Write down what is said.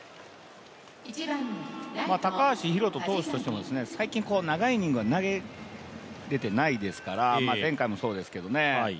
高橋宏斗投手としても最近、長いイニング投げれてないですから前回もそうですけどね。